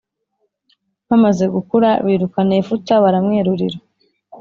bamaze gukura birukana Yefuta baramwerurira